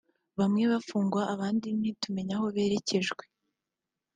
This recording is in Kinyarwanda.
bamwe bagafungwa abandi ntitumenya aho berekejwe